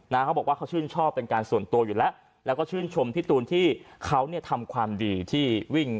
เขาบอกว่าเขาชื่นชอบเป็นการส่วนตัวอยู่แล้วแล้วก็ชื่นชมพี่ตูนที่เขาเนี่ยทำความดีที่วิ่ง